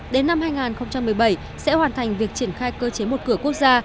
đến năm hai nghìn một mươi bảy sẽ hoàn thành việc triển khai cơ chế một cửa quốc gia